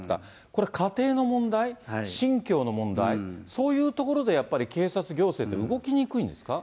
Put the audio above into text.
これ、家庭の問題、信教の問題、そういうところで、やっぱり警察、行政って動きにくいんですか。